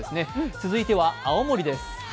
続いては青森です。